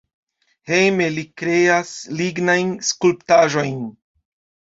Hejme li kreas lignajn skulptaĵojn.